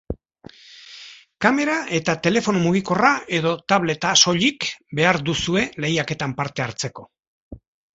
Kamera eta telefono mugikorra edo tableta soilik behar duzue lehiaketan parte hartzeko.